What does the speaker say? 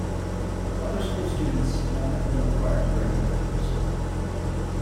Upper school students have never been required to wear uniforms.